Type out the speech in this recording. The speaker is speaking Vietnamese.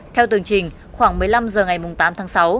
theo tường trình khoảng một mươi năm h ngày tám tháng sáu